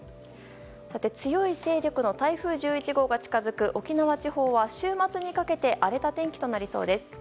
強い勢力の台風１１号が近づく沖縄地方は週末にかけて荒れた天気となりそうです。